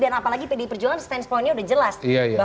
dan apalagi pd perjuangan stand pointnya sudah jelas